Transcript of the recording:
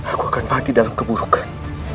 aku akan mati dalam keburukan